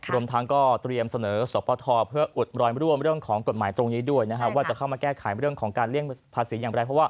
รวมทั้งก็เตรียมเสนอสปทเพื่ออุดรอยร่วมเรื่องของกฎหมายตรงนี้ด้วยนะครับว่าจะเข้ามาแก้ไขเรื่องของการเลี่ยงภาษีอย่างไรเพราะว่า